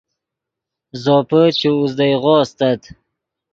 زوپے چے اوزدئیغو استت